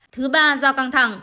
thứ ba do căng thẳng